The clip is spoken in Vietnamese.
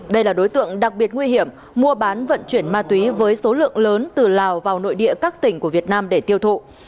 đây là đối tượng đặc biệt nguy hiểm mua bán vận chuyển ma túy với số lượng lớn từ lào vào nội địa các tỉnh của việt nam để tiêu thụ